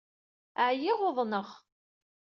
Ɛyiɣ i uḍneɣ.